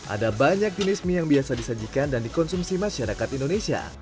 ada banyak jenis mie yang biasa disajikan dan dikonsumsi masyarakat indonesia